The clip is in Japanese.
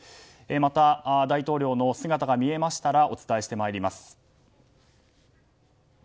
また、大統領の姿が見えましたらお伝えしてまいります。